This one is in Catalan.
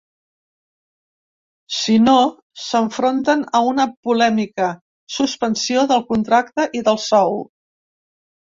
Si no, s’enfronten a una polèmica suspensió del contracte i del sou.